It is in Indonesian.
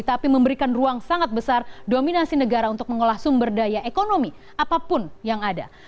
tapi memberikan ruang sangat besar dominasi negara untuk mengolah sumber daya ekonomi apapun yang ada